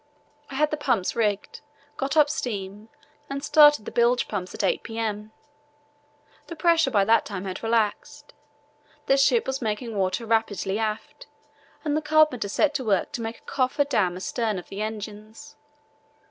I had the pumps rigged, got up steam, and started the bilge pumps at 8 p.m. The pressure by that time had relaxed. The ship was making water rapidly aft, and the carpenter set to work to make a coffer dam astern of the engines.